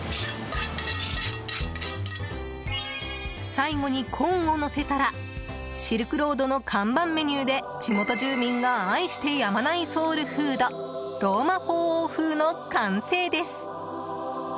最後にコーンをのせたらシルクロードの看板メニューで地元住民が愛してやまないソウルフードローマ法王風の完成です。